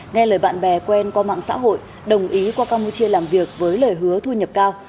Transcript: nghe lời bạn bè quen qua mạng xã hội đồng ý qua campuchia làm việc với lời hứa thu nhập cao